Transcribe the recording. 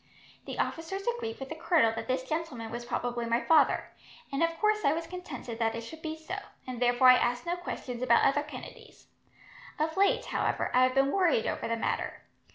The officers agreed with the colonel that this gentleman was probably my father, and of course I was contented that it should be supposed so, and therefore I asked no questions about other Kennedys. Of late, however, I have been worried over the matter.